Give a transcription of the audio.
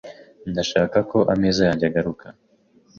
Ndashaka ko ameza yanjye agaruka .